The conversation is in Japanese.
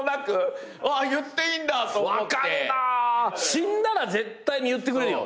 死んだら絶対に言ってくれるよ。